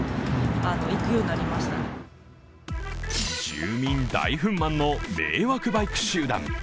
住民大ふんまんの迷惑バイク集団。